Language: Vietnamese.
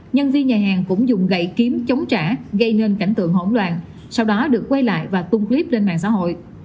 nhân viên nhà hàng cũng dùng gậy kiếm chống trả gây nên cảnh tượng hỗn loạn sau đó được quay lại và tung clip lên mạng xã hội